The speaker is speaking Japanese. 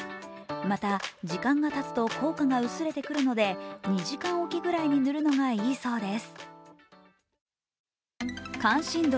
また、時間がたつと効果が薄れてくるので２時間おきぐいらにぬるのがいいそうです。